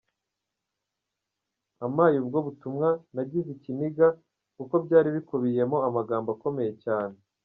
Ampaye ubwo butumwa nagize ikiniga, kuko byari bukubiyemo amagambo akomeye cyane.